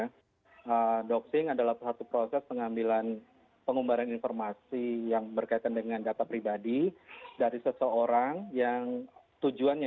karena doxing adalah satu proses pengambilan pengumbaran informasi yang berkaitan dengan data pribadi dari seseorang yang tujuannya